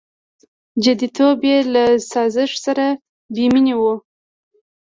• جديتوب یې له سازش سره بېمینه و.